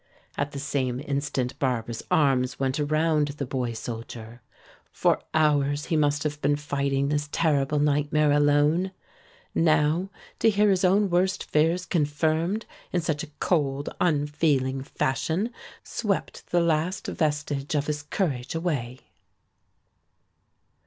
At the same instant Barbara's arms went around the boy soldier. For hours he must have been fighting this terrible nightmare alone. Now to hear his own worst fears confirmed in such a cold, unfeeling fashion swept the last vestige of his courage away.